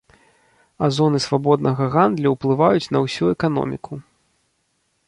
А зоны свабоднага гандлю ўплываюць на ўсю эканоміку.